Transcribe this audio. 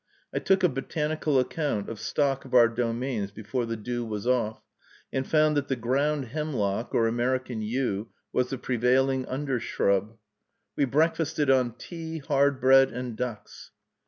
I took a botanical account of stock of our domains before the dew was off, and found that the ground hemlock, or American yew, was the prevailing undershrub. We breakfasted on tea, hard bread, and ducks.